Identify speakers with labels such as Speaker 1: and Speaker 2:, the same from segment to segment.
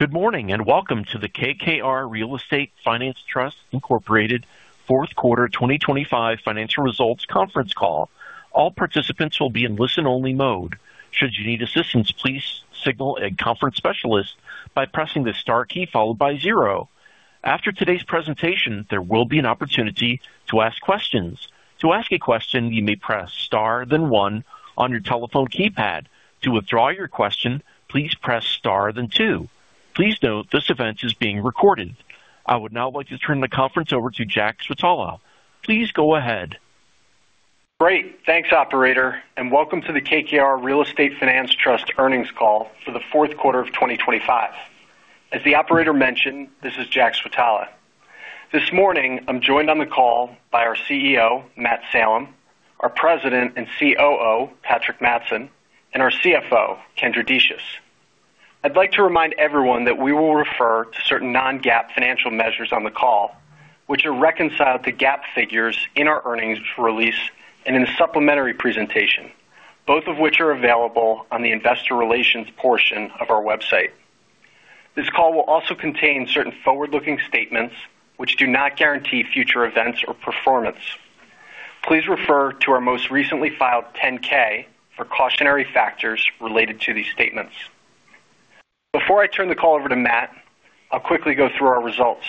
Speaker 1: Good morning and welcome to the KKR Real Estate Finance Trust Incorporated Q4 2025 Financial Results Conference Call. All participants will be in listen-only mode. Should you need assistance, please signal a conference specialist by pressing the star key followed by 0. After today's presentation, there will be an opportunity to ask questions. To ask a question, you may press star then 1 on your telephone keypad. To withdraw your question, please press star then 2. Please note, this event is being recorded. I would now like to turn the conference over to Jack Switala. Please go ahead.
Speaker 2: Great. Thanks, operator, and welcome to the KKR Real Estate Finance Trust earnings call for the Q4 of 2025. As the operator mentioned, this is Jack Switala. This morning, I'm joined on the call by our CEO, Matt Salem, our President and COO, Patrick Mattson, and our CFO, Kendra Decious. I'd like to remind everyone that we will refer to certain non-GAAP financial measures on the call, which are reconciled to GAAP figures in our earnings release and in the supplementary presentation, both of which are available on the investor relations portion of our website. This call will also contain certain forward-looking statements which do not guarantee future events or performance. Please refer to our most recently filed 10-K for cautionary factors related to these statements. Before I turn the call over to Matt, I'll quickly go through our results.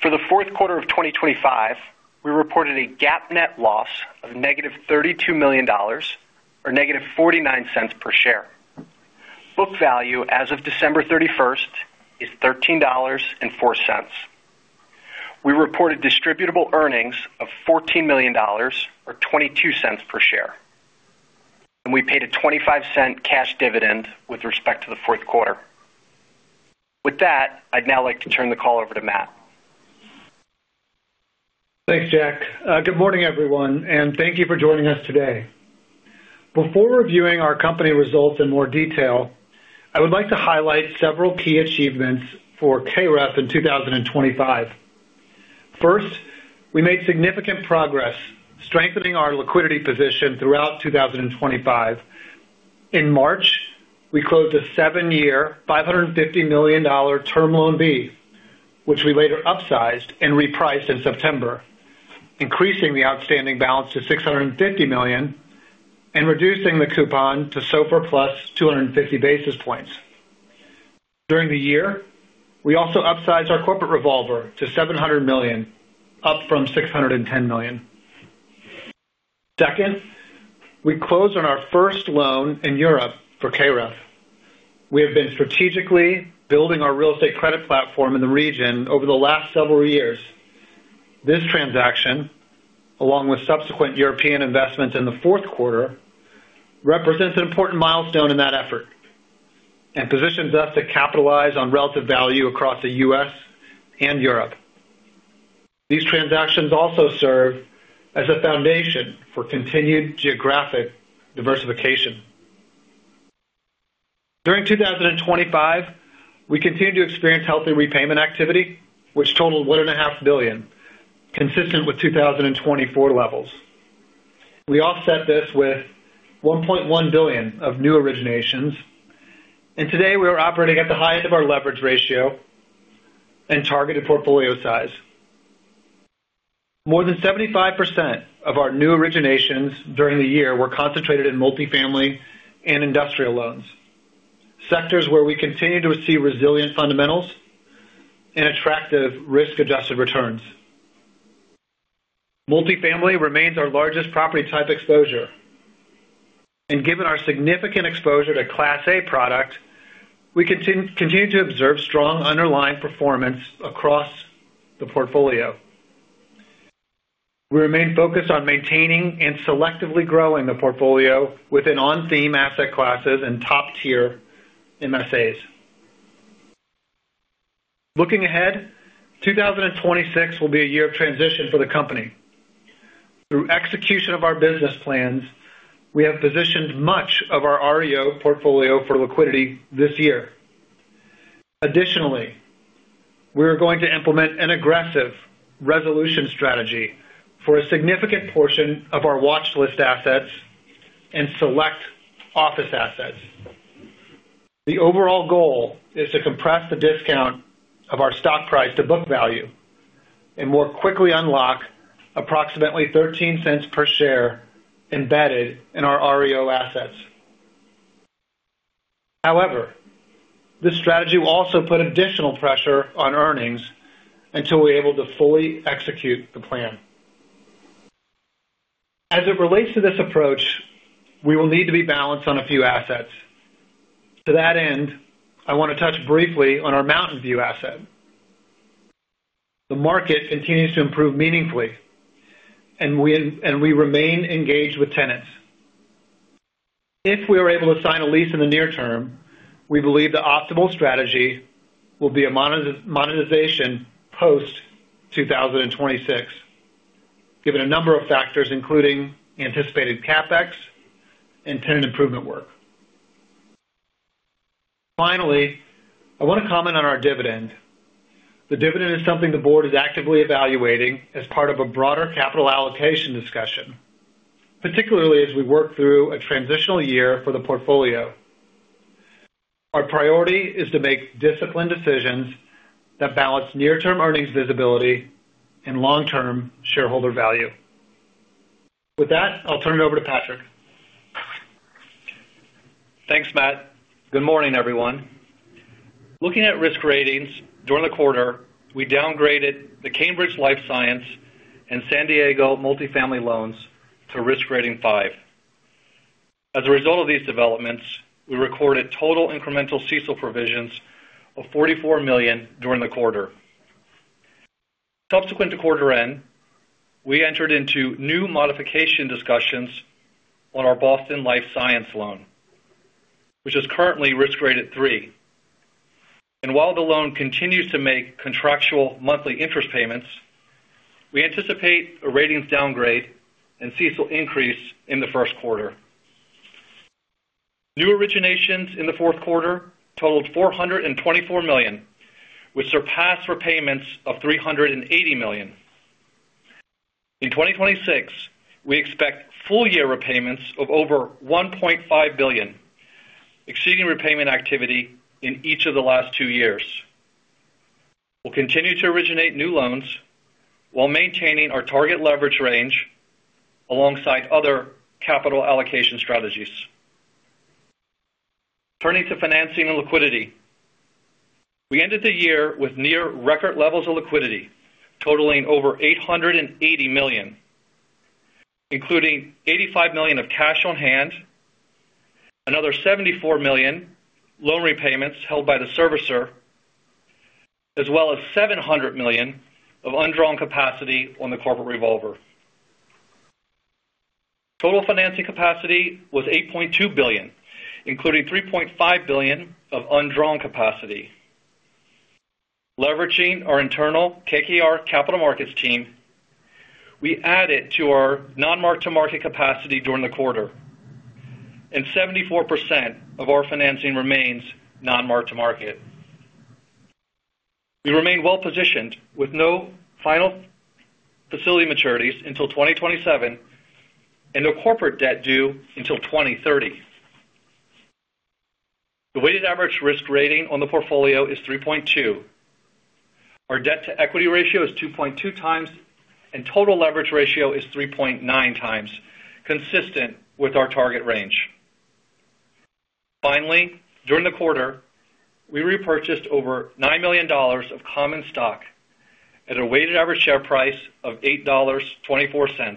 Speaker 2: For the Q4 of 2025, we reported a GAAP net loss of -$32 million or -0.49 per share. Book value as of December 31st is $13.04. We reported distributable earnings of $14 million or -0.22 per share, and we paid a $0.25 cash dividend with respect to the Q4. With that, I'd now like to turn the call over to Matt.
Speaker 3: Thanks, Jack. Good morning, everyone, and thank you for joining us today. Before reviewing our company results in more detail, I would like to highlight several key achievements for KREF in 2025. First, we made significant progress strengthening our liquidity position throughout 2025. In March, we closed a 7-year, $550 million Term Loan B, which we later upsized and repriced in September, increasing the outstanding balance to $650 million and reducing the coupon to SOFR plus 250 basis points. During the year, we also upsized our corporate revolver to $700 million, up from $610 million. Second, we closed on our first loan in Europe for KREF. We have been strategically building our real estate credit platform in the region over the last several years. This transaction, along with subsequent European investments in the Q4, represents an important milestone in that effort and positions us to capitalize on relative value across the U.S. and Europe. These transactions also serve as a foundation for continued geographic diversification. During 2025, we continued to experience healthy repayment activity, which totaled $1.5 billion, consistent with 2024 levels. We offset this with $1.1 billion of new originations, and today we are operating at the high end of our leverage ratio and targeted portfolio size. More than 75% of our new originations during the year were concentrated in multifamily and industrial loans, sectors where we continue to see resilient fundamentals and attractive risk-adjusted returns. Multifamily remains our largest property type exposure, and given our significant exposure to Class A product, we continue to observe strong underlying performance across the portfolio. We remain focused on maintaining and selectively growing the portfolio within on-theme asset classes and top-tier MSAs. Looking ahead, 2026 will be a year of transition for the company. Through execution of our business plans, we have positioned much of our REO portfolio for liquidity this year. Additionally, we are going to implement an aggressive resolution strategy for a significant portion of our watchlist assets and select office assets. The overall goal is to compress the discount of our stock price to book value and more quickly unlock approximately $0.13 per share embedded in our REO assets. However, this strategy will also put additional pressure on earnings until we're able to fully execute the plan. As it relates to this approach, we will need to be balanced on a few assets. To that end, I want to touch briefly on our Mountain View asset. The market continues to improve meaningfully, and we remain engaged with tenants. If we are able to sign a lease in the near term, we believe the optimal strategy will be a monetization post-2026, given a number of factors including anticipated CapEx and tenant improvement work. Finally, I want to comment on our dividend. The dividend is something the board is actively evaluating as part of a broader capital allocation discussion, particularly as we work through a transitional year for the portfolio. Our priority is to make disciplined decisions that balance near-term earnings visibility and long-term shareholder value. With that, I'll turn it over to Patrick.
Speaker 4: Thanks, Matt. Good morning, everyone. Looking at risk ratings during the quarter, we downgraded the Cambridge life science and San Diego multifamily loans to risk rating 5. As a result of these developments, we recorded total incremental CECL provisions of $44 million during the quarter. Subsequent to quarter end, we entered into new modification discussions on our Boston life science loan, which is currently risk rated 3. And while the loan continues to make contractual monthly interest payments, we anticipate a ratings downgrade and CECL increase in the Q1. New originations in the Q4 totaled $424 million, which surpassed repayments of $380 million. In 2026, we expect full-year repayments of over $1.5 billion, exceeding repayment activity in each of the last two years. We'll continue to originate new loans while maintaining our target leverage range alongside other capital allocation strategies. Turning to financing and liquidity, we ended the year with near-record levels of liquidity totaling over $880 million, including $85 million of cash on hand, another $74 million loan repayments held by the servicer, as well as $700 million of undrawn capacity on the corporate revolver. Total financing capacity was $8.2 billion, including $3.5 billion of undrawn capacity. Leveraging our internal KKR Capital Markets team, we added to our non-mark-to-market capacity during the quarter, and 74% of our financing remains non-mark-to-market. We remain well-positioned with no final facility maturities until 2027 and no corporate debt due until 2030. The weighted average risk rating on the portfolio is 3.2. Our debt-to-equity ratio is 2.2 times, and total leverage ratio is 3.9 times, consistent with our target range. Finally, during the quarter, we repurchased over $9 million of common stock at a weighted average share price of $8.24.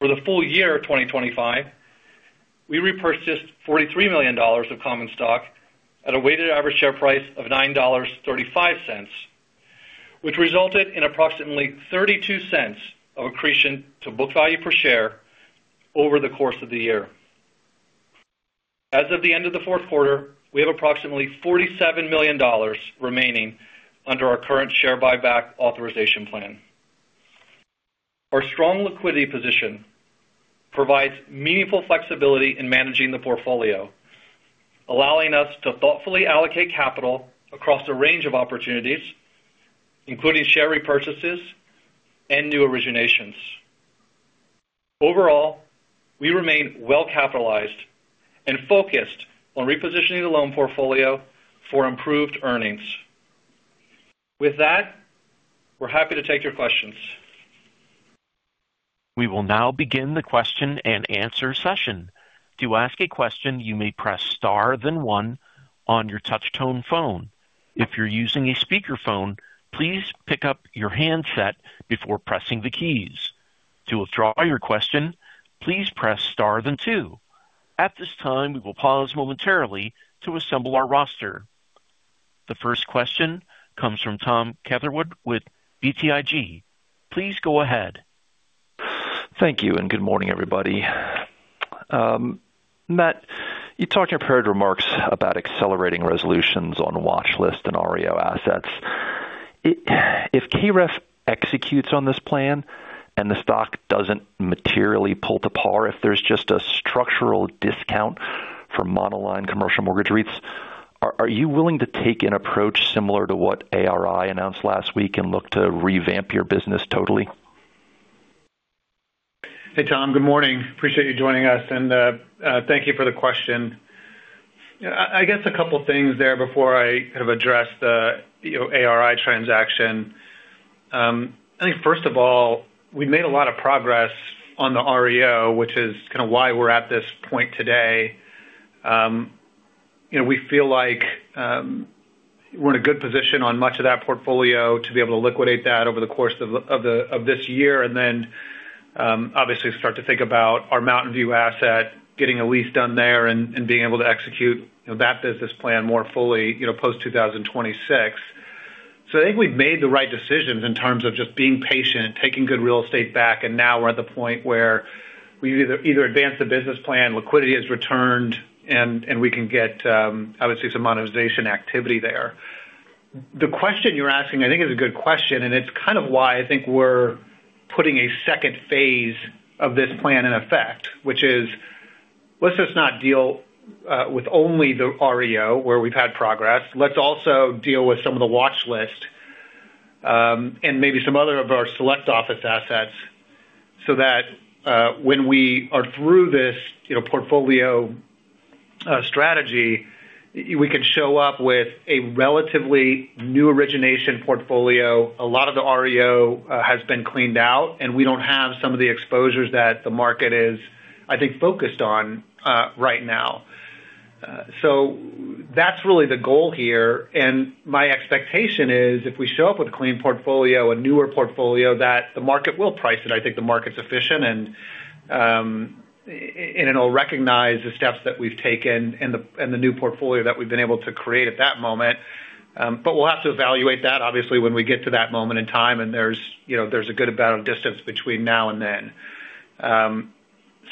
Speaker 4: For the full year 2025, we repurchased $43 million of common stock at a weighted average share price of $9.35, which resulted in approximately $0.32 of accretion to book value per share over the course of the year. As of the end of the Q4, we have approximately $47 million remaining under our current share buyback authorization plan. Our strong liquidity position provides meaningful flexibility in managing the portfolio, allowing us to thoughtfully allocate capital across a range of opportunities, including share repurchases and new originations. Overall, we remain well-capitalized and focused on repositioning the loan portfolio for improved earnings. With that, we're happy to take your questions.
Speaker 1: We will now begin the Q&A session. To ask a question, you may press star then 1 on your touch-tone phone. If you're using a speakerphone, please pick up your handset before pressing the keys. To withdraw your question, please press star then 2. At this time, we will pause momentarily to assemble our roster. The first question comes from Tom Catherwood with BTIG. Please go ahead.
Speaker 5: Thank you, and good morning, everybody. Matt, you talked in your prepared remarks about accelerating resolutions on watchlist and REO assets. If KREF executes on this plan and the stock doesn't materially pull to par, if there's just a structural discount for monoline commercial mortgage REITs, are you willing to take an approach similar to what ARI announced last week and look to revamp your business totally?
Speaker 3: Hey, Tom. Good morning. Appreciate you joining us, and thank you for the question. I guess a couple of things there before I address the ARI transaction. I think, first of all, we've made a lot of progress on the REO, which is why we're at this point today. We feel like we're in a good position on much of that portfolio to be able to liquidate that over the course of this year and then, obviously, start to think about our Mountain View asset, getting a lease done there, and being able to execute that business plan more fully post-2026. So I think we've made the right decisions in terms of just being patient, taking good real estate back, and now we're at the point where we've either advanced the business plan, liquidity has returned, and we can get, obviously, some monetization activity there. The question you're asking, I think, is a good question, and it's why I think we're putting a second phase of this plan in effect, which is, let's just not deal with only the REO where we've had progress. Let's also deal with some of the watchlist and maybe some other of our select office assets so that when we are through this portfolio strategy, we can show up with a relatively new origination portfolio. A lot of the REO has been cleaned out, and we don't have some of the exposures that the market is, I think, focused on right now. So that's really the goal here, and my expectation is if we show up with a clean portfolio, a newer portfolio, that the market will price it. I think the market's efficient, and it'll recognize the steps that we've taken and the new portfolio that we've been able to create at that moment. But we'll have to evaluate that, obviously, when we get to that moment in time, and there's a good amount of distance between now and then.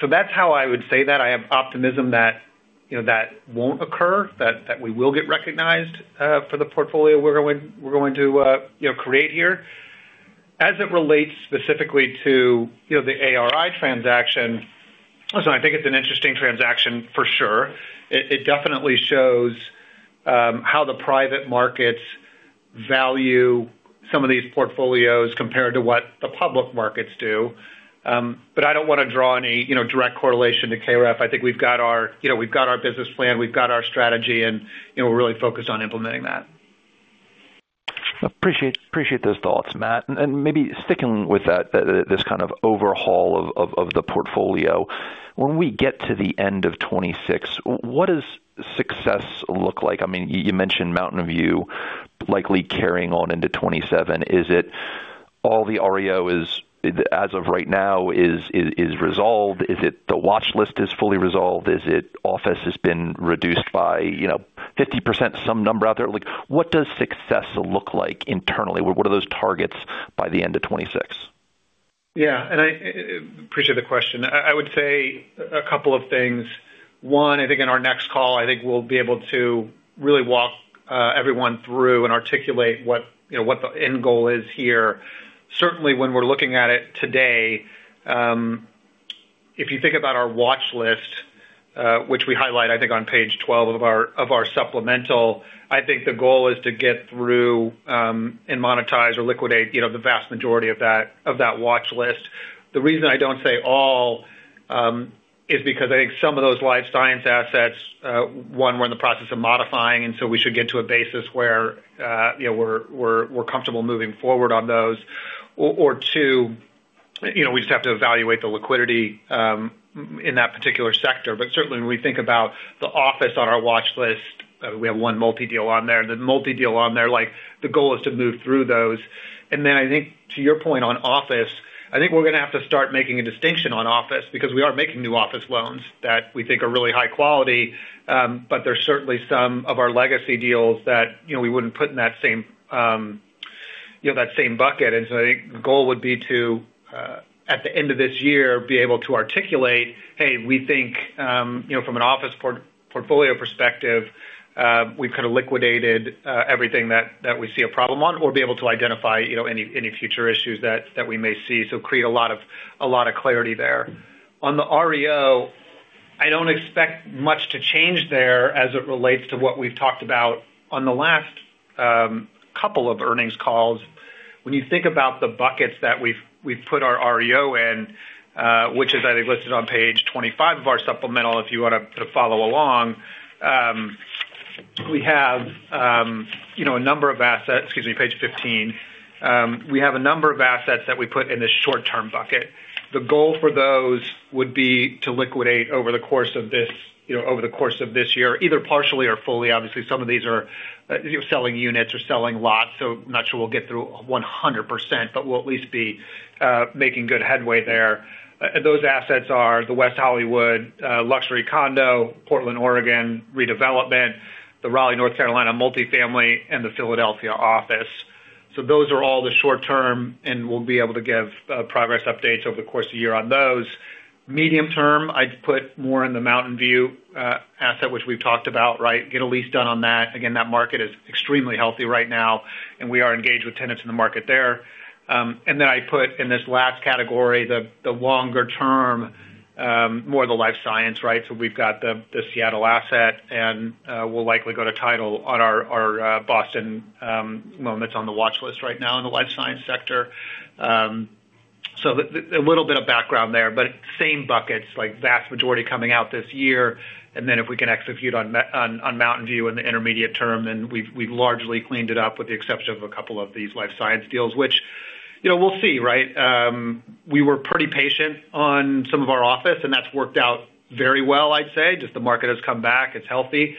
Speaker 3: So that's how I would say that. I have optimism that that won't occur, that we will get recognized for the portfolio we're going to create here. As it relates specifically to the ARI transaction, listen, I think it's an interesting transaction for sure. It definitely shows how the private markets value some of these portfolios compared to what the public markets do. But I don't want to draw any direct correlation to KREF. I think we've got our business plan. We've got our strategy, and we're really focused on implementing that.
Speaker 5: Appreciate those thoughts, Matt. Maybe sticking with this overhaul of the portfolio, when we get to the end of 2026, what does success look like? I mean, you mentioned Mountain View likely carrying on into 2027. Is it all the REO is, as of right now, resolved? Is it the watchlist is fully resolved? Is it office has been reduced by 50%, some number out there? What does success look like internally? What are those targets by the end of 2026?
Speaker 3: I appreciate the question. I would say a couple of things. One, I think in our next call, I think we'll be able to really walk everyone through and articulate what the end goal is here. Certainly, when we're looking at it today, if you think about our watchlist, which we highlight, I think, on page 12 of our supplemental, I think the goal is to get through and monetize or liquidate the vast majority of that watchlist. The reason I don't say all is because I think some of those life science assets, one, we're in the process of modifying, and so we should get to a basis where we're comfortable moving forward on those. Or two, we just have to evaluate the liquidity in that particular sector. But certainly, when we think about the office on our watchlist, we have one multifamily deal on there. The multi-deal on there, the goal is to move through those. And then I think, to your point on office, I think we're going to have to start making a distinction on office because we are making new office loans that we think are really high quality, but there's certainly some of our legacy deals that we wouldn't put in that same bucket. And so I think the goal would be to, at the end of this year, be able to articulate, "Hey, we think from an office portfolio perspective, we've liquidated everything that we see a problem on," or be able to identify any future issues that we may see, so create a lot of clarity there. On the REO, I don't expect much to change there as it relates to what we've talked about on the last couple of earnings calls. When you think about the buckets that we've put our REO in, which is, I think, listed on page 25 of our supplemental if you want to follow along, we have a number of assets. Excuse me, page 15. We have a number of assets that we put in this short-term bucket. The goal for those would be to liquidate over the course of this year, either partially or fully. Obviously, some of these are selling units or selling lots, so I'm not sure we'll get through 100%, but we'll at least be making good headway there. Those assets are the West Hollywood luxury condo, Portland, Oregon redevelopment, the Raleigh, North Carolina multifamily, and the Philadelphia office. So those are all the short-term, and we'll be able to give progress updates over the course of the year on those. Medium term, I'd put more in the Mountain View asset, which we've talked about, right? Get a lease done on that. Again, that market is extremely healthy right now, and we are engaged with tenants in the market there. And then I'd put in this last category, the longer term, more of the life science, right? So we've got the Seattle asset, and we'll likely go to title on our Boston loan that's on the watchlist right now in the life science sector. So a little bit of background there, but same buckets, vast majority coming out this year. And then if we can execute on Mountain View in the intermediate term, then we've largely cleaned it up with the exception of a couple of these life science deals, which we'll see, right? We were pretty patient on some of our office, and that's worked out very well, I'd say. Just the market has come back. It's healthy.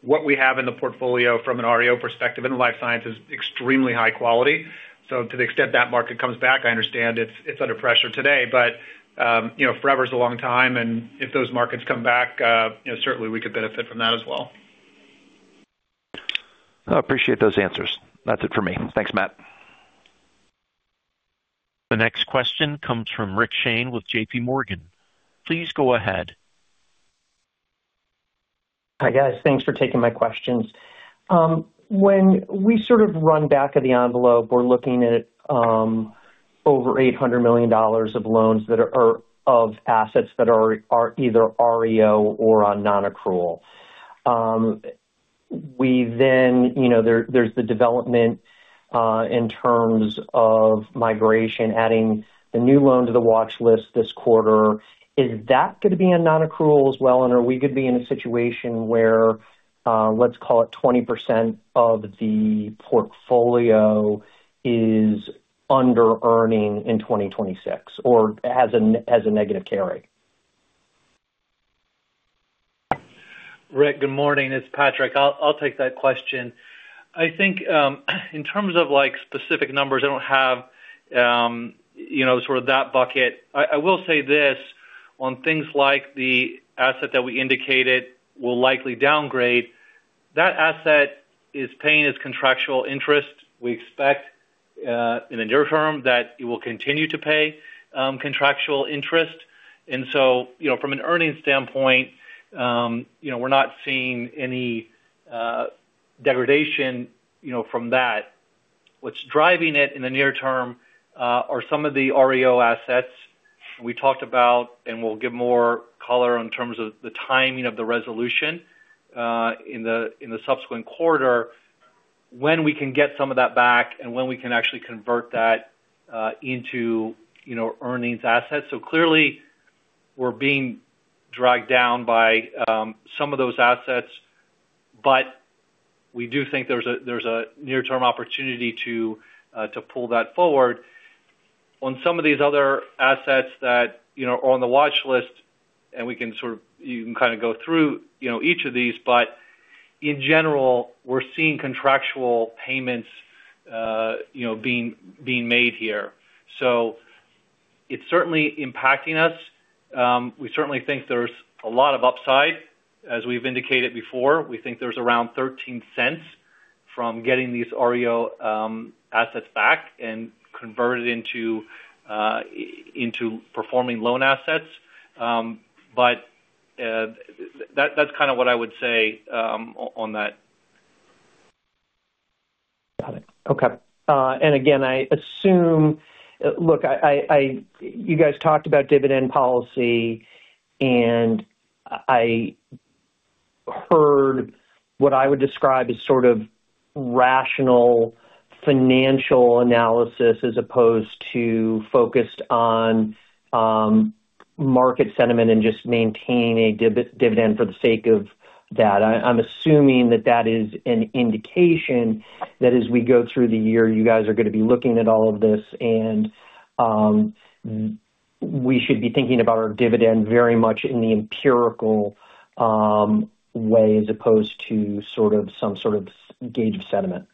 Speaker 3: What we have in the portfolio from an REO perspective in the life science is extremely high quality. So to the extent that market comes back, I understand it's under pressure today, but forever's a long time, and if those markets come back, certainly, we could benefit from that as well.
Speaker 5: Appreciate those answers. That's it for me. Thanks, Matt.
Speaker 1: The next question comes from Rick Shane with JPMorgan. Please go ahead.
Speaker 6: Hi, guys. Thanks for taking my questions. When we run back of the envelope, we're looking at over $800 million of loans that are of assets that are either REO or on non-accrual. There's the development in terms of migration, adding the new loan to the watchlist this quarter. Is that going to be a non-accrual as well, and are we going to be in a situation where, let's call it, 20% of the portfolio is under-earning in 2026 or has a negative carry?
Speaker 4: Rick, good morning. It's Patrick. I'll take that question. I think in terms of specific numbers, I don't have that bucket. I will say this: on things like the asset that we indicated will likely downgrade, that asset is paying its contractual interest. We expect in the near term that it will continue to pay contractual interest. And so from an earnings standpoint, we're not seeing any degradation from that. What's driving it in the near term are some of the REO assets we talked about, and we'll give more color in terms of the timing of the resolution in the subsequent quarter, when we can get some of that back and when we can actually convert that into earnings assets. So clearly, we're being dragged down by some of those assets, but we do think there's a near-term opportunity to pull that forward. On some of these other assets that are on the watchlist, and you can go through each of these, but in general, we're seeing contractual payments being made here. So it's certainly impacting us. We certainly think there's a lot of upside. As we've indicated before, we think there's around $0.13 from getting these REO assets back and converted into performing loan assets. But that's what I would say on that.
Speaker 6: Got it. Okay. And again, I assume, look, you guys talked about dividend policy, and I heard what I would describe as rational financial analysis as opposed to focused on market sentiment and just maintaining a dividend for the sake of that. I'm assuming that that is an indication that as we go through the year, you guys are going to be looking at all of this, and we should be thinking about our dividend very much in the empirical way as opposed to some gauge of sentiment.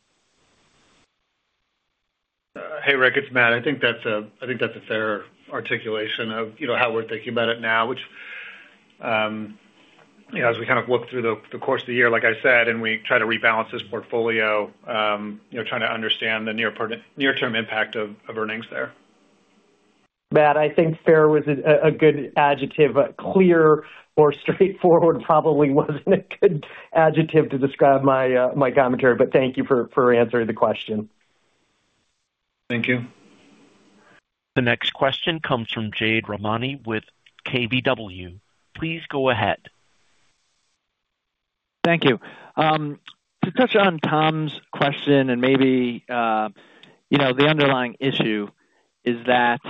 Speaker 3: Rick. It's Matt. I think that's a fair articulation of how we're thinking about it now, which, as we look through the course of the year, like I said, and we try to rebalance this portfolio, trying to understand the near-term impact of earnings there.
Speaker 6: Matt, I think fair was a good adjective, but clear or straightforward probably wasn't a good adjective to describe my commentary. But thank you for answering the question.
Speaker 3: Thank you.
Speaker 1: The next question comes from Jade Rahmani with KBW. Please go ahead.
Speaker 7: Thank you. To touch on Tom's question and maybe the underlying issue is that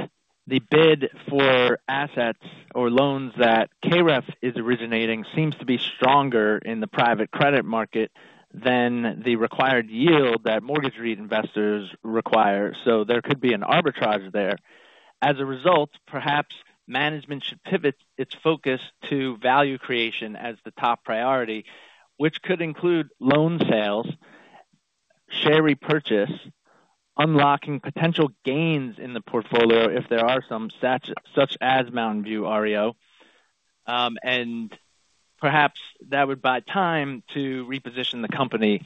Speaker 7: the bid for assets or loans that KREF is originating seems to be stronger in the private credit market than the required yield that mortgage reinvestors require. So there could be an arbitrage there. As a result, perhaps management should pivot its focus to value creation as the top priority, which could include loan sales, share repurchase, unlocking potential gains in the portfolio if there are some, such as Mountain View REO. And perhaps that would buy time to reposition the company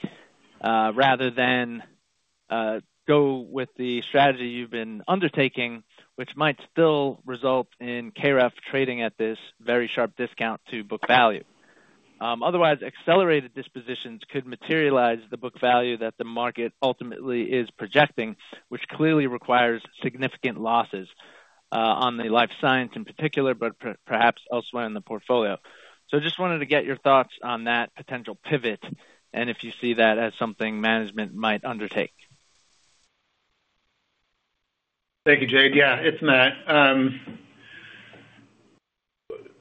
Speaker 7: rather than go with the strategy you've been undertaking, which might still result in KREF trading at this very sharp discount to book value. Otherwise, accelerated dispositions could materialize the book value that the market ultimately is projecting, which clearly requires significant losses on the life science in particular, but perhaps elsewhere in the portfolio. So just wanted to get your thoughts on that potential pivot and if you see that as something management might undertake.
Speaker 3: Thank you, Jade. It's Matt.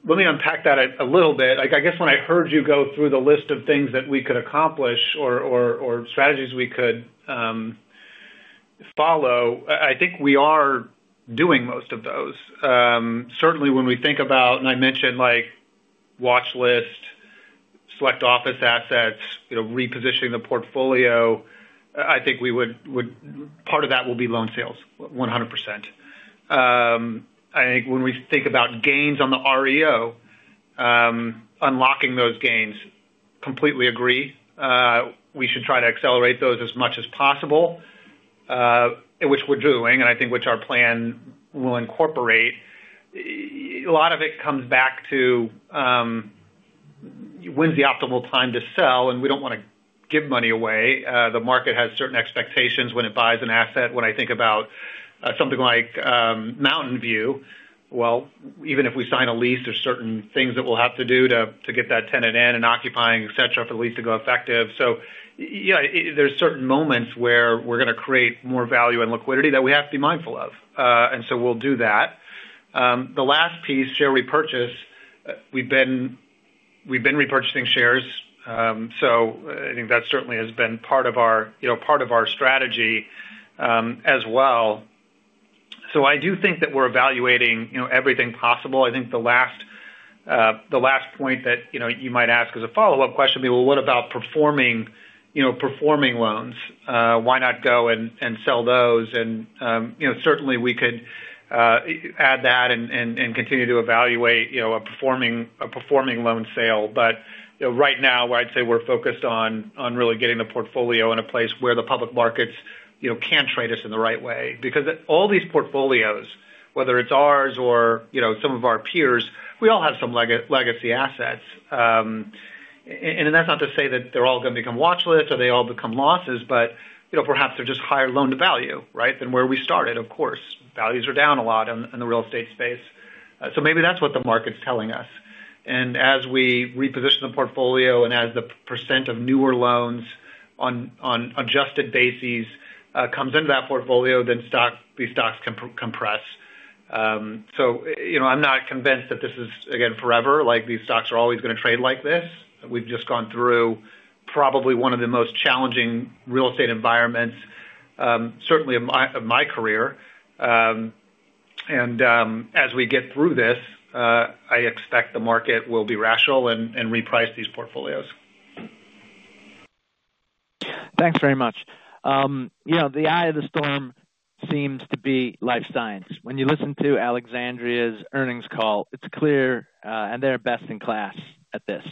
Speaker 3: Let me unpack that a little bit. I guess when I heard you go through the list of things that we could accomplish or strategies we could follow, I think we are doing most of those. Certainly, when we think about and I mentioned watchlist, select office assets, repositioning the portfolio, I think part of that will be loan sales, 100%. I think when we think about gains on the REO, unlocking those gains, completely agree. We should try to accelerate those as much as possible, which we're doing, and I think which our plan will incorporate. A lot of it comes back to when's the optimal time to sell, and we don't want to give money away. The market has certain expectations when it buys an asset. When I think about something like Mountain View, even if we sign a lease, there's certain things that we'll have to do to get that tenant in and occupying, etc., for the lease to go effective. So there's certain moments where we're going to create more value and liquidity that we have to be mindful of. And so we'll do that. The last piece, share repurchase, we've been repurchasing shares, so I think that certainly has been part of our part of our strategy as well. So I do think that we're evaluating everything possible. I think the last point that you might ask as a follow-up question would be, "What about performing loans? Why not go and sell those?" And certainly, we could add that and continue to evaluate a performing loan sale. But right now, where I'd say we're focused on really getting the portfolio in a place where the public markets can trade us in the right way because all these portfolios, whether it's ours or some of our peers, we all have some legacy assets. And that's not to say that they're all going to become watchlists or they all become losses, but perhaps they're just higher loan-to-value, right, than where we started. Of course, values are down a lot in the real estate space. So maybe that's what the market's telling us. And as we reposition the portfolio and as the percent of newer loans on adjusted bases comes into that portfolio, then these stocks can compress. So I'm not convinced that this is, again, forever. These stocks are always going to trade like this. We've just gone through probably one of the most challenging real estate environments, certainly of my career. As we get through this, I expect the market will be rational and reprice these portfolios.
Speaker 7: Thanks very much. The eye of the storm seems to be life science. When you listen to Alexandria's earnings call, it's clear, and they're best in class at this.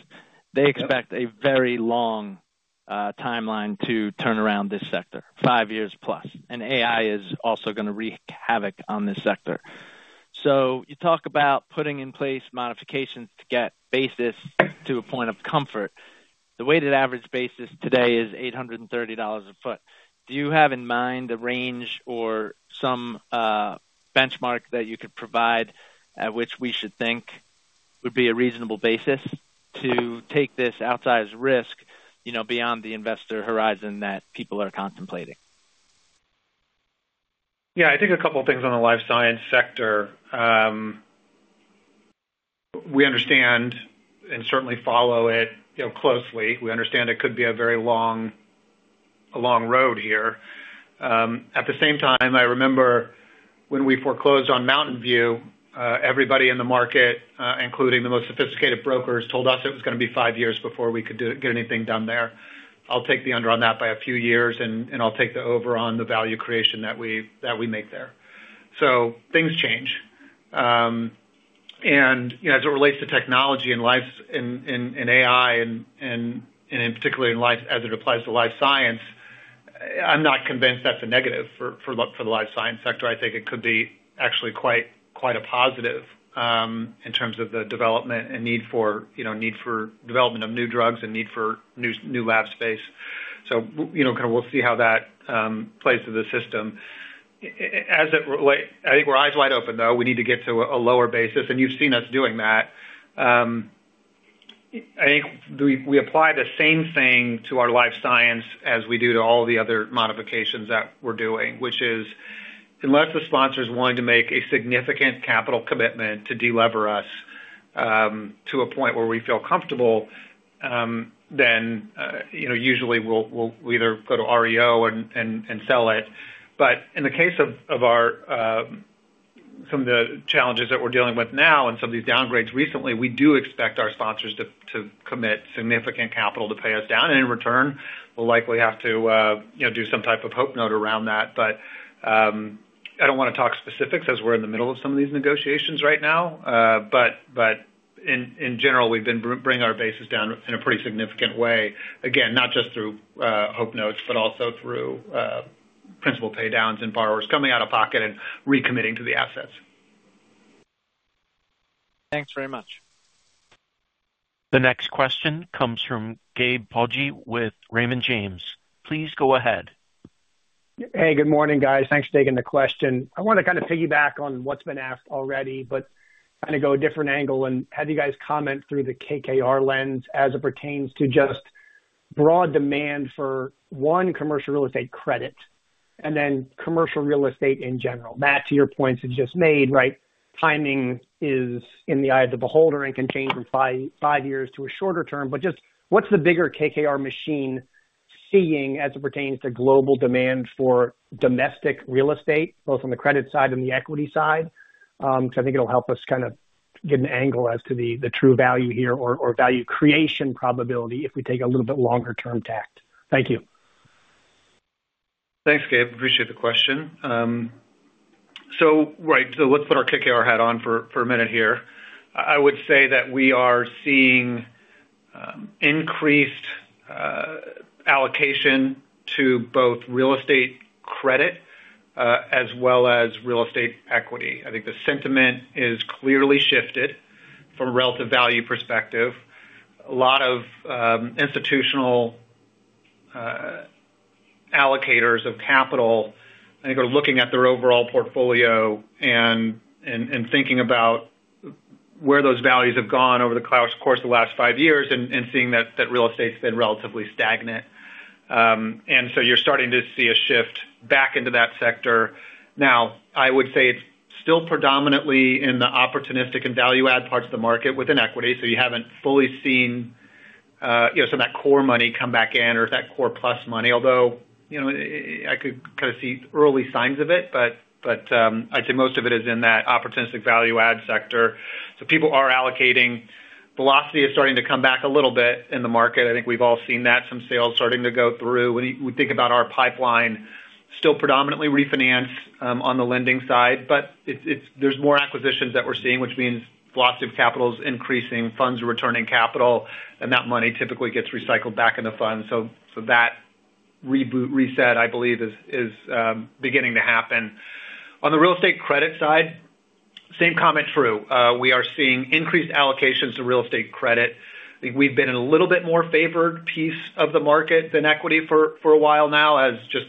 Speaker 7: They expect a very long timeline to turn around this sector, 5+ years. And AI is also going to wreak havoc on this sector. So you talk about putting in place modifications to get basis to a point of comfort. The weighted average basis today is $830 a foot. Do you have in mind a range or some benchmark that you could provide at which we should think would be a reasonable basis to take this outsized risk beyond the investor horizon that people are contemplating?
Speaker 3: I think a couple of things on the life science sector. We understand and certainly follow it closely. We understand it could be a very long road here. At the same time, I remember when we foreclosed on Mountain View, everybody in the market, including the most sophisticated brokers, told us it was going to be five years before we could get anything done there. I'll take the under on that by a few years, and I'll take the over on the value creation that we make there. So things change. And as it relates to technology and AI, and in particular as it applies to life science, I'm not convinced that's a negative for the life science sector. I think it could be actually quite a positive in terms of the development and need for development of new drugs and need for new lab space. So we'll see how that plays to the system. I think we're eyes wide open, though. We need to get to a lower basis, and you've seen us doing that. I think we apply the same thing to our life science as we do to all the other modifications that we're doing, which is unless the sponsor's wanting to make a significant capital commitment to delever us to a point where we feel comfortable, then usually, we'll either go to REO and sell it. But in the case of some of the challenges that we're dealing with now and some of these downgrades recently, we do expect our sponsors to commit significant capital to pay us down. And in return, we'll likely have to do some type of hope note around that. I don't want to talk specifics as we're in the middle of some of these negotiations right now. In general, we've been bringing our basis down in a pretty significant way, again, not just through hope notes, but also through principal paydowns and borrowers coming out of pocket and recommitting to the assets.
Speaker 7: Thanks very much.
Speaker 1: The next question comes from Gabe Poggi with Raymond James. Please go ahead.
Speaker 8: Hey, good morning, guys. Thanks for taking the question. I want to piggyback on what's been asked already, but go a different angle and have you guys comment through the KKR lens as it pertains to just broad demand for, one, commercial real estate credit and then commercial real estate in general. Matt, to your points that you just made right timing is in the eye of the beholder and can change from five years to a shorter term. But just what's the bigger KKR machine seeing as it pertains to global demand for domestic real estate, both on the credit side and the equity side? Because I think it'll help us get an angle as to the true value here or value creation probability if we take a little bit longer-term tack. Thank you.
Speaker 4: Thanks, Gabe. Appreciate the question. So let's put our KKR hat on for a minute here. I would say that we are seeing increased allocation to both real estate credit as well as real estate equity. I think the sentiment is clearly shifted from a relative value perspective. A lot of institutional allocators of capital, I think, are looking at their overall portfolio and thinking about where those values have gone over the course of the last five years and seeing that real estate's been relatively stagnant. And so you're starting to see a shift back into that sector. Now, I would say it's still predominantly in the opportunistic and value-add parts of the market within equity. So you haven't fully seen some of that core money come back in or that core-plus money, although I could see early signs of it. But I'd say most of it is in that opportunistic value-add sector. So people are allocating. Velocity is starting to come back a little bit in the market. I think we've all seen that, some sales starting to go through. When we think about our pipeline, still predominantly refinance on the lending side. But there's more acquisitions that we're seeing, which means velocity of capital's increasing, funds are returning capital, and that money typically gets recycled back into funds. So that reset, I believe, is beginning to happen. On the real estate credit side, same comment true. We are seeing increased allocations to real estate credit. I think we've been in a little bit more favored piece of the market than equity for a while now as just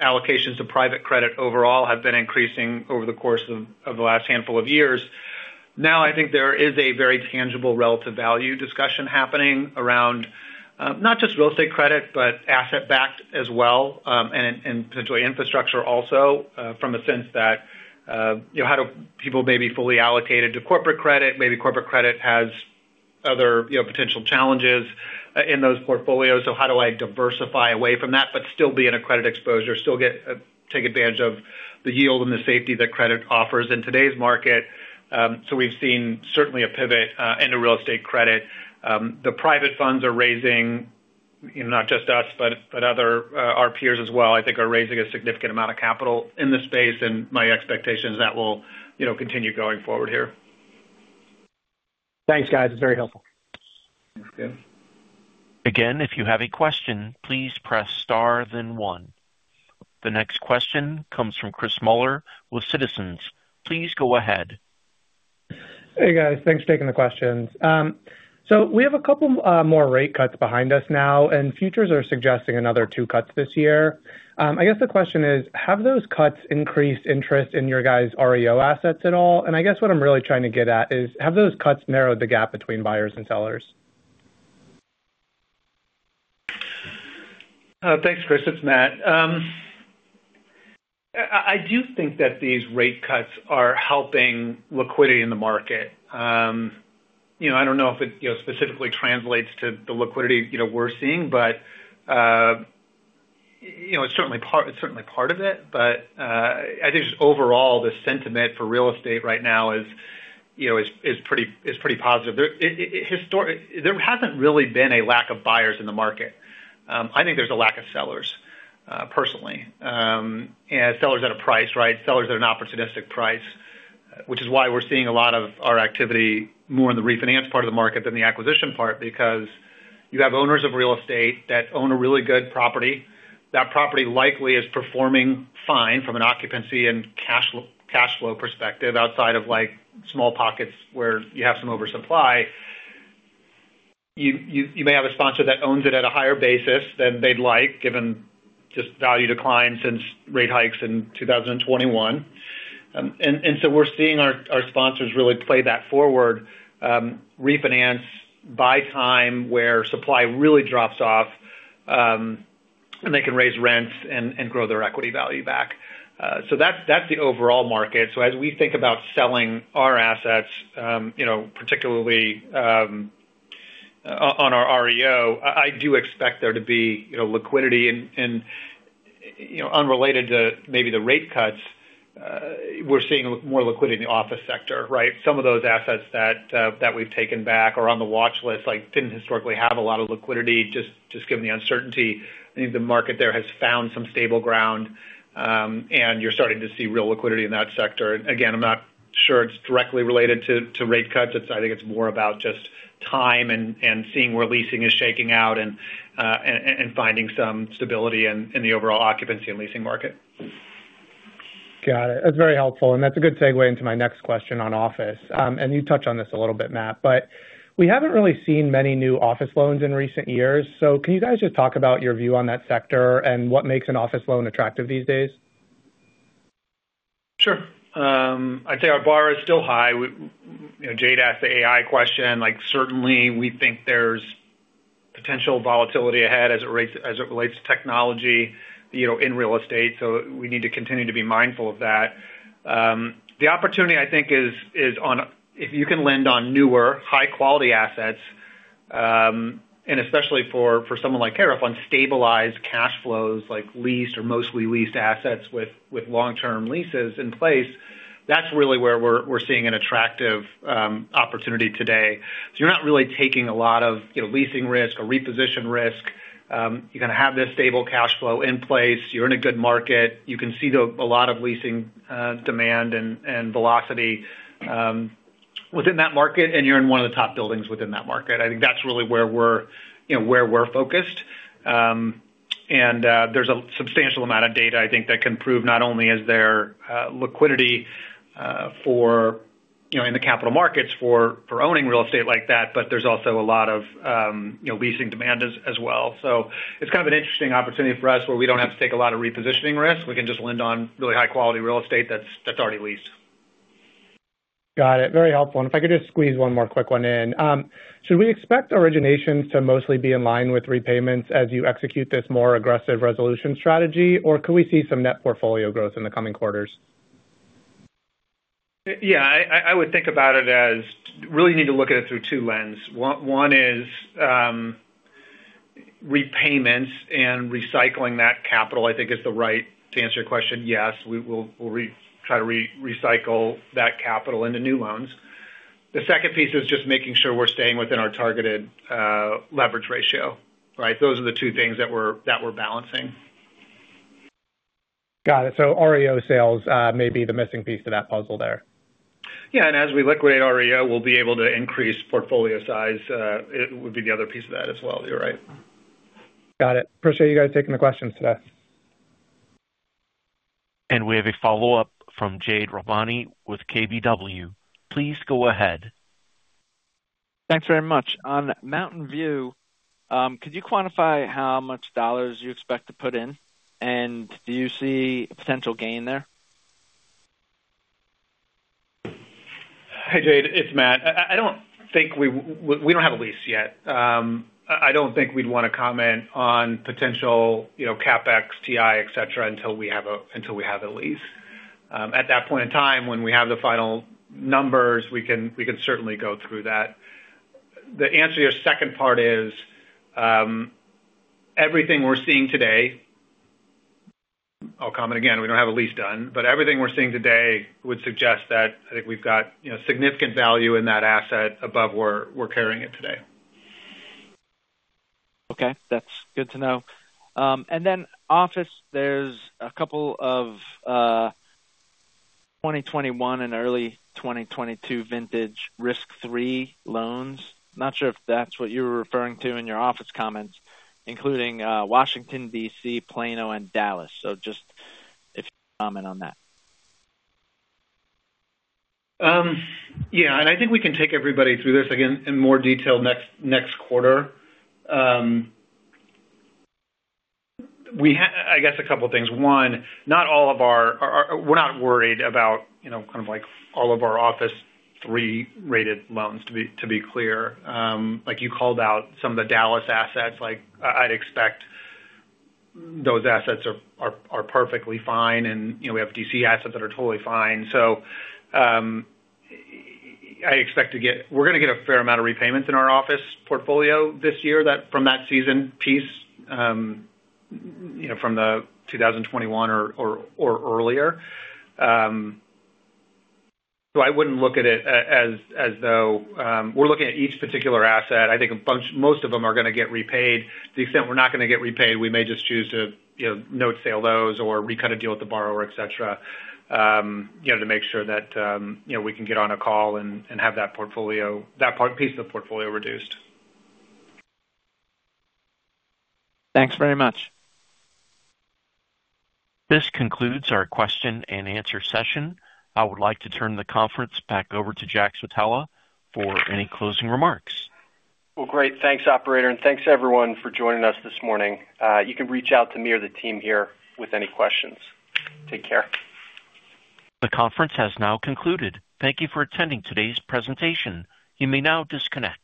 Speaker 4: allocations to private credit overall have been increasing over the course of the last handful of years. Now, I think there is a very tangible relative value discussion happening around not just real estate credit, but asset-backed as well and potentially infrastructure also from a sense that how do people maybe fully allocate it to corporate credit? Maybe corporate credit has other potential challenges in those portfolios. So how do I diversify away from that but still be in a credit exposure, still take advantage of the yield and the safety that credit offers in today's market? So we've seen certainly a pivot into real estate credit. The private funds are raising, not just us, but our peers as well, I think, are raising a significant amount of capital in this space. And my expectation is that will continue going forward here.
Speaker 8: Thanks, guys. It's very helpful.
Speaker 3: Thanks, Gabe.
Speaker 1: Again, if you have a question, please press star, then one. The next question comes from Chris Muller with Citizens. Please go ahead.
Speaker 9: Hey, guys. Thanks for taking the questions. So we have a couple more rate cuts behind us now, and futures are suggesting another two cuts this year. I guess the question is, have those cuts increased interest in your guys' REO assets at all? And I guess what I'm really trying to get at is, have those cuts narrowed the gap between buyers and sellers?
Speaker 3: Thanks, Chris. It's Matt. I do think that these rate cuts are helping liquidity in the market. I don't know if it specifically translates to the liquidity we're seeing, but it's certainly part of it. But I think just overall, the sentiment for real estate right now is pretty positive. There hasn't really been a lack of buyers in the market. I think there's a lack of sellers, personally, and sellers at a price, right, sellers at an opportunistic price, which is why we're seeing a lot of our activity more in the refinance part of the market than the acquisition part because you have owners of real estate that own a really good property. That property likely is performing fine from an occupancy and cash flow perspective outside of small pockets where you have some oversupply. You may have a sponsor that owns it at a higher basis than they'd like given just value declines since rate hikes in 2021. And so we're seeing our sponsors really play that forward, refinance by time where supply really drops off, and they can raise rents and grow their equity value back. So that's the overall market. So as we think about selling our assets, particularly on our REO, I do expect there to be liquidity. And unrelated to maybe the rate cuts, we're seeing more liquidity in the office sector, right? Some of those assets that we've taken back or on the watchlist didn't historically have a lot of liquidity just given the uncertainty. I think the market there has found some stable ground, and you're starting to see real liquidity in that sector. And again, I'm not sure it's directly related to rate cuts. I think it's more about just time and seeing where leasing is shaking out and finding some stability in the overall occupancy and leasing market.
Speaker 9: Got it. That's very helpful. That's a good segue into my next question on office. You touched on this a little bit, Matt, but we haven't really seen many new office loans in recent years. Can you guys just talk about your view on that sector and what makes an office loan attractive these days?
Speaker 3: Sure. I'd say our bar is still high. Jade asked the AI question. Certainly, we think there's potential volatility ahead as it relates to technology in real estate. So we need to continue to be mindful of that. The opportunity, I think, is if you can lend on newer, high-quality assets, and especially for someone like KREF on stabilized cash flows like leased or mostly leased assets with long-term leases in place, that's really where we're seeing an attractive opportunity today. So you're not really taking a lot of leasing risk or reposition risk. You have this stable cash flow in place. You're in a good market. You can see a lot of leasing demand and velocity within that market, and you're in one of the top buildings within that market. I think that's really where we're focused. There's a substantial amount of data, I think, that can prove not only is there liquidity in the capital markets for owning real estate like that, but there's also a lot of leasing demand as well. So it's an interesting opportunity for us where we don't have to take a lot of repositioning risk. We can just lend on really high-quality real estate that's already leased.
Speaker 9: Got it. Very helpful. And if I could just squeeze one more quick one in, should we expect originations to mostly be in line with repayments as you execute this more aggressive resolution strategy, or could we see some net portfolio growth in the coming quarters?
Speaker 3: I would think about it as really need to look at it through two lenses. One is repayments and recycling that capital, I think, is the right answer to your question. Yes, we'll try to recycle that capital into new loans. The second piece is just making sure we're staying within our targeted leverage ratio, right? Those are the two things that we're balancing.
Speaker 9: Got it. So REO sales may be the missing piece to that puzzle there?
Speaker 3: As we liquidate REO, we'll be able to increase portfolio size. It would be the other piece of that as well, you're right.
Speaker 9: Got it. Appreciate you guys taking the questions today.
Speaker 1: We have a follow-up from Jade Rahmani with KBW. Please go ahead.
Speaker 7: Thanks very much. On Mountain View, could you quantify how much dollars you expect to put in? And do you see potential gain there?
Speaker 3: Hey, Jade. It's Matt. I don't think we don't have a lease yet. I don't think we'd want to comment on potential CapEx, TI, etc., until we have a lease. At that point in time, when we have the final numbers, we can certainly go through that. The answer to your second part is everything we're seeing today. I'll comment again. We don't have a lease done. But everything we're seeing today would suggest that I think we've got significant value in that asset above where we're carrying it today.
Speaker 7: Okay. That's good to know. And then office, there's a couple of 2021 and early 2022 vintage risk three loans. Not sure if that's what you were referring to in your office comments, including Washington, D.C., Plano, and Dallas. Just if you can comment on that.
Speaker 3: I think we can take everybody through this again in more detail next quarter. I guess a couple of things. One, we're not worried about kind of all of our office three-rated loans, to be clear. You called out some of the Dallas assets. I'd expect those assets are perfectly fine. And we have D.C. assets that are totally fine. So I expect we're going to get a fair amount of repayments in our office portfolio from that seasoned piece from 2021 or earlier. So I wouldn't look at it as though we're looking at each particular asset. I think most of them are going to get repaid. To the extent we're not going to get repaid, we may just choose to note sale those or recut a deal with the borrower, etc., to make sure that we can get on a call and have that piece of the portfolio reduced.
Speaker 7: Thanks very much.
Speaker 1: This concludes our Q&A session. I would like to turn the conference back over to Jack Switala for any closing remarks.
Speaker 2: Great. Thanks, operator. Thanks, everyone, for joining us this morning. You can reach out to me or the team here with any questions. Take care.
Speaker 1: The conference has now concluded. Thank you for attending today's presentation. You may now disconnect.